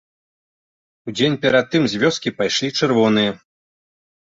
Удзень перад тым з вёскі пайшлі чырвоныя.